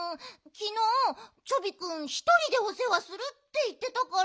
きのうチョビくんひとりでおせわするっていってたから。